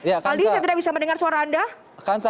aldi saya tidak bisa mendengar suara anda